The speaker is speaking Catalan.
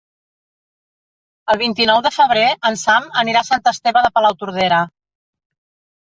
El vint-i-nou de febrer en Sam anirà a Sant Esteve de Palautordera.